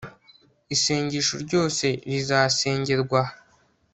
isengesho ryose rizasengerwa aha